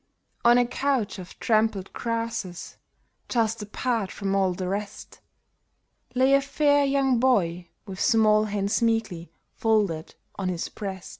On a couch of trampled grasses, just apart from all the rest, Lay a fair young boy, with small hands meekly folded on his breast.